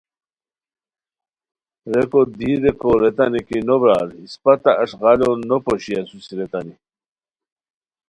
ریکو دی ریکو ریتانی کی نو برار اسپہ تہ اݱ غالو نو پوشی اسوسی ریتانی